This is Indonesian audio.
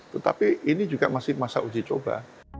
tetapi ini juga masih masa uji coba